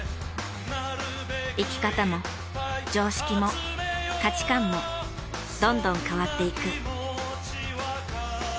生き方も常識も価値観もどんどん変わっていく。